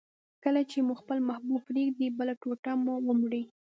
کله چي مو خپل محبوب پرېږدي، بله ټوټه مو ومري.